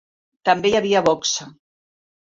També hi havia boxa.